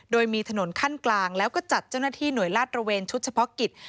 โดยมีถนนขั้นกลางแล้วก็จัดเจ้าหน้าที่หน่วยลาดระเวนชุดเฉพาะกิจ